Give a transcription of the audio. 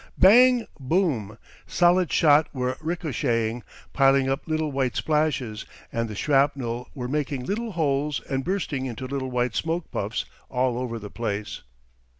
Bang! Boom! Solid shot were ricochetting, piling up little white splashes, and the shrapnel were making little holes and bursting into little white smoke puffs all over the place.